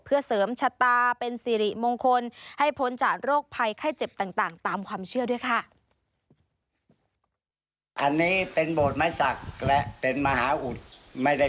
เพื่อเสริมชะตาเป็นสิริมงคลให้พ้นจากโรคภัยไข้เจ็บต่างตามความเชื่อด้วยค่ะ